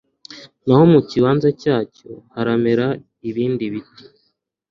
naho mu kibanza cyacyo haramera ibindi biti